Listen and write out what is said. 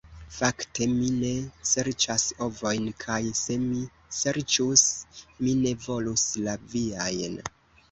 "Fakte, mi ne serĉas ovojn; kaj se mi serĉus, mi ne volus la viajn.